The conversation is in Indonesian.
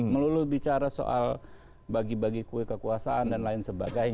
melulu bicara soal bagi bagi kue kekuasaan dan lain sebagainya